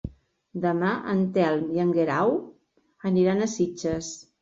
Demà en Telm i en Guerau aniran a Sitges.